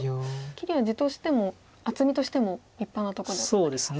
切りは地としても厚みとしても立派なとこではありますか。